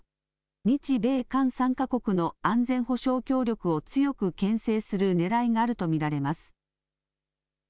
日米韓３か国の安全保障協力を強くけん制するねらいがあると見られます。